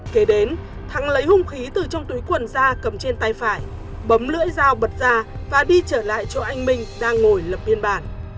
kế đến thắng lấy hung khí từ trong túi quần ra cầm trên tay phải bấm lưỡi dao bật ra và đi trở lại chỗ anh minh ra ngồi lập biên bản